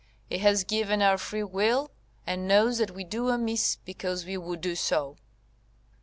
He has given our free will, and knows that we do amiss because we would do so."